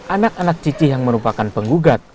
anak anak cicih yang merupakan penggugat